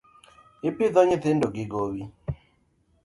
I pidho nyithindo gi gowi.